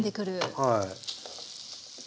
はい。